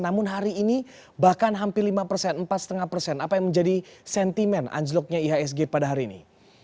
namun hari ini bahkan hampir lima persen empat lima persen apa yang menjadi sentimen anjloknya ihsg pada hari ini